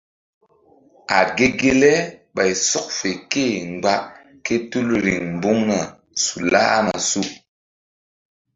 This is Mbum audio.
A ge ge le ɓay sɔk fe ké-e mgba ke tul riŋ mbuŋna su lahna su.